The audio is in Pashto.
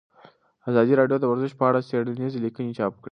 ازادي راډیو د ورزش په اړه څېړنیزې لیکنې چاپ کړي.